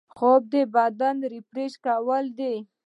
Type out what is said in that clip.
خوب د بدن ریفریش کول دي